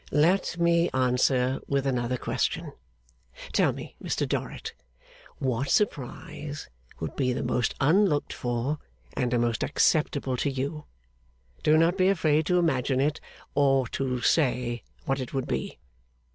'Let me answer with another question. Tell me, Mr Dorrit, what surprise would be the most unlooked for and the most acceptable to you. Do not be afraid to imagine it, or to say what it would be.